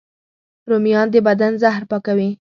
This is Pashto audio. رومیان د بدن زهر پاکوي